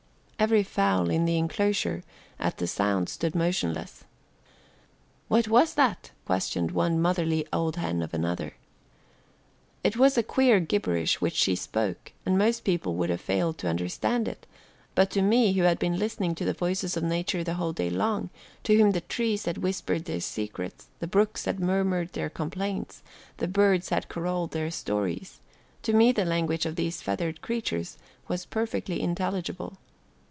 Every fowl in the inclosure at the sound stood motionless. "What was that?" questioned one motherly old hen of another. It was a queer gibberish which she spoke, and most people would have failed to understand it, but to me who had been listening to the voices of nature the whole day long, to whom the trees had whispered their secrets, the brooks had murmured their complaints, the birds had caroled their stories to me the language of these feathered creatures was perfectly intelligible.